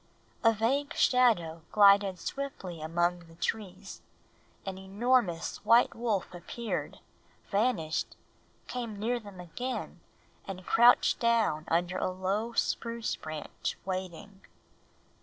A vague shadow glided swiftly among the trees. An enormous white wolf appeared, vanished, came near them again, and crouched down under a low spruce branch waiting.